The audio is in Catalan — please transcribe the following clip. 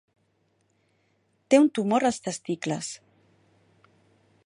Té un tumor als testicles.